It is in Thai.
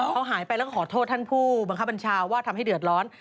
เขาหายไปแล้วก็ขอโทษท่านผู้บังคับบัญชาว่าทำให้เดือดร้อน